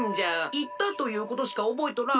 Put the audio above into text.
いったということしかおぼえとらん。